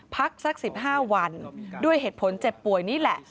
พักสัก๑๕วันด้วยเหตุผลเจ็บป่วยนี่แหละ